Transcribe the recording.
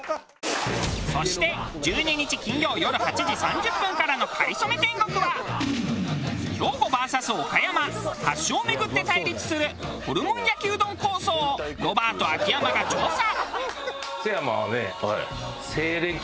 そして１２日金曜よる８時３０分からの『かりそめ天国は』兵庫ＶＳ岡山発祥を巡って対立するホルモン焼きうどん抗争をロバート秋山が調査。